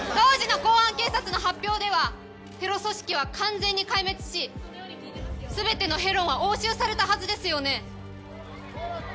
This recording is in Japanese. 当時の公安警察の発表ではテロ組織は完全に壊滅し全てのヘロンは押収されたはずですよね？